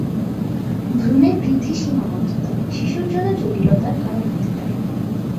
ভ্রূণের বৃদ্ধি সীমাবদ্ধতা, শিশুর জন্য জটিলতার কারণ হতে পারে।